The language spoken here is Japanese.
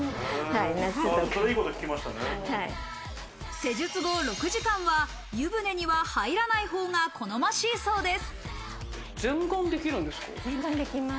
施術後６時間は、湯船には入らないほうが好ましいそうです。